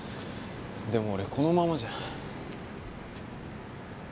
でも俺このままじゃ。